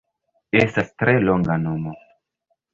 Estas tre longa nomo